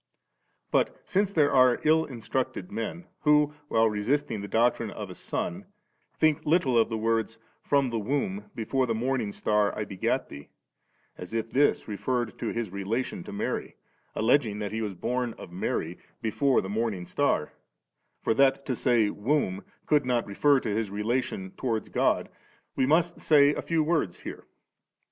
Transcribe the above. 27. But since there are ill instructed men who, while resisting the doctrine of a Son, think little of the words, 'From the womb before the morning star I begat Thee *;' as if this referred to His relation to Mary, alleging that He was bom of Mary < before the morning star,' for that to say ' womb ' could not refer to His relation towards God, we must say a few words here.